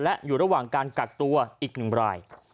และอยู่ระหว่างการกักตัวอีก๑ราย